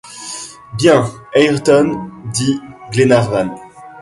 Bien, Ayrton, dit Glenarvan.